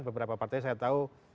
beberapa partai saya tahu